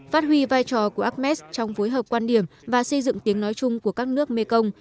phát huy vai trò của acmes trong phối hợp quan điểm và xây dựng tiếng nói chung của các nước mekong